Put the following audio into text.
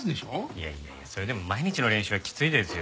いやいやいやそれでも毎日の練習はきついですよ。